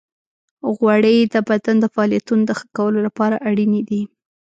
غوړې د بدن د فعالیتونو د ښه کولو لپاره اړینې دي.